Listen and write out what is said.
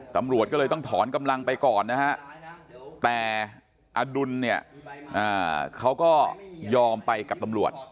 ตำรวจก็เลยต้องถอนกำลังไปก่อนนะฮะแต่อดุลเนี่ยเขาก็ยอมไปกับตำรวจ